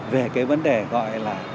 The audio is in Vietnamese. về cái vấn đề gọi là